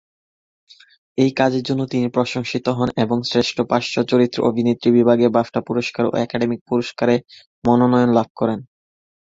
এই কাজের জন্য তিনি প্রশংসিত হন এবং শ্রেষ্ঠ পার্শ্বচরিত্রে অভিনেত্রী বিভাগে বাফটা পুরস্কার ও একাডেমি পুরস্কারের মনোনয়ন লাভ করেন।